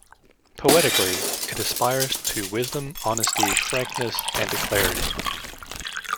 Poetically, it aspires to wisdom, honesty, frankness, and to clarity.